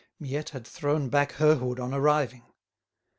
Miette had thrown back her hood on arriving.